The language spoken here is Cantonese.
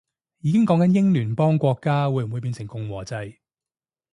已經講緊英聯邦國家會唔會變共和制